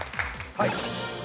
はい。